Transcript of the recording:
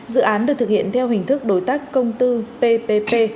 dự án được thực hiện theo hình thức đối tác công tư ppp